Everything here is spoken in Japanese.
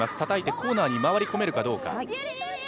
たたいて、コーナーに回り込めるかどうか。